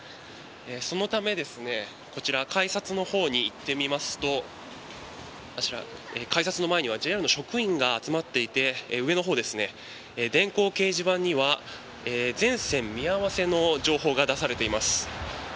そのため改札のほうに行ってみますと改札の前にはＪＲの職員が集まっていて上のほう電光掲示板には全線見合わせの情報が出されています。